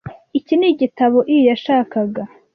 Iki ni igitabo I. yashakaga.